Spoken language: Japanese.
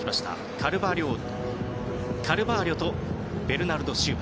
カルバーリョとベルナルド・シウバ。